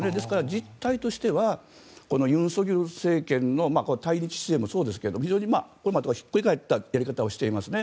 実態としてはこの尹錫悦政権の対日姿勢もそうですが非常にこれまでとはひっくり返ったやり方をしてますね。